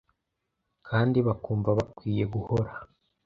kandi bakumva bakwiye guhora